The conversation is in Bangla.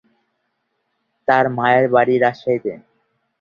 তার মায়ের বাড়ি রাজশাহীতে।